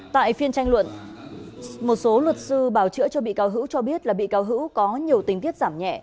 tại phiên tranh luận một số luật sư bảo chữa cho bị cáo hữu cho biết là bị cáo hữu có nhiều tình tiết giảm nhẹ